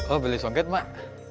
oh beli songket mak